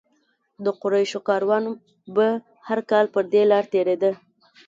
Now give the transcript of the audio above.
د قریشو کاروان به هر کال پر دې لاره تېرېده.